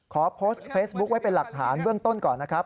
โพสต์เฟซบุ๊คไว้เป็นหลักฐานเบื้องต้นก่อนนะครับ